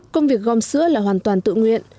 công việc gom sữa là hoàn toàn tự nguyện